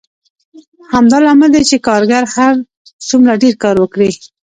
همدا لامل دی چې کارګر هر څومره ډېر کار وکړي